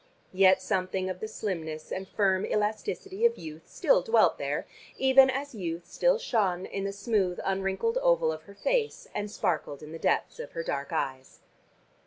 Yet something of the slimness and firm elasticity of youth still dwelt there, even as youth still shone in the smooth unwrinkled oval of her face and sparkled in the depths of her dark eyes.